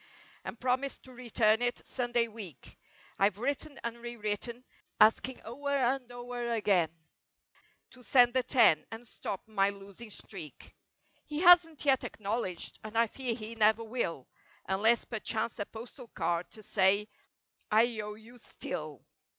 And promised to return it "Sunday week." I've written and re written asking o'er and o'er again To send the ten and stop my losing streak. He hasn't yet "acknowledged" and I fear he never will Unless perchance a postal card to say— "I owe you—still."